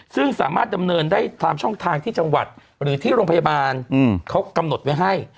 ซึ่งสามารถดำเนินได้ตามช่องทางที่จังหวัดหรือที่โรงพยาบาลเขากำหนดไว้ให้